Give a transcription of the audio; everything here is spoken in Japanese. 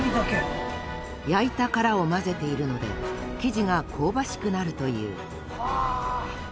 焼いた殻を混ぜているので生地が香ばしくなるという。